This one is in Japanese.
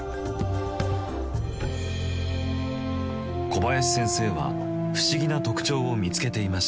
小林先生は不思議な特徴を見つけていました。